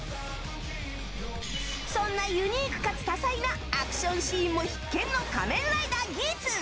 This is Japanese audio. そんなユニークかつ多彩なアクションシーンも必見の「仮面ライダーギーツ」。